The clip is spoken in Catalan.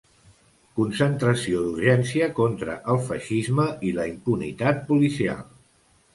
Concentració d'urgència contra el feixisme i la impunitat policial.